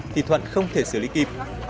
thì thuận không thể xử lý kịp